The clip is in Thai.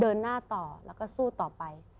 เดินหน้าต่อแล้วก็สู้ต่อไป